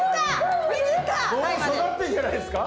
もう育ってんじゃないですか？